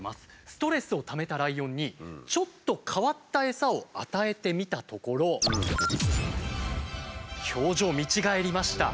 ストレスをためたライオンにちょっと変わったエサを与えてみたところ表情見違えました。